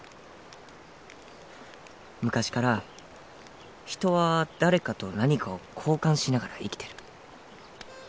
昔から人は誰かと何かを交換しながら生きてる